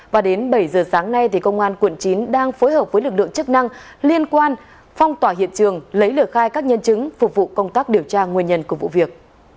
và đến bảy giờ sáng nay công an quận chín đang phối hợp với lực lượng chức năng liên quan phong tỏa hiện trường lấy lời khai các nhân chứng phục vụ công tác điều tra nguyên nhân của vụ việc